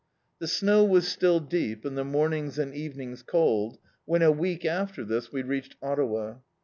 The snow was still deep and the mornings and evenings cold when, a week after this, we reached Ottawa.